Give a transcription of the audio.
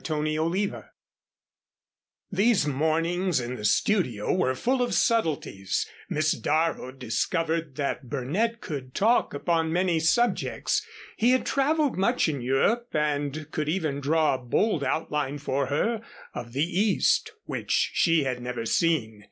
CHAPTER XIV These mornings in the studio were full of subtleties. Miss Darrow discovered that Burnett could talk upon many subjects. He had traveled much in Europe, and could even draw a bold outline for her of the East, which she had never seen.